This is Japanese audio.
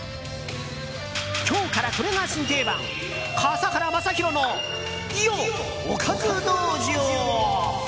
今日からこれが新定番笠原将弘のおかず道場。